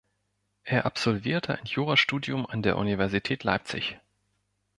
Er absolvierte ein Jurastudium an der Universität Leipzig.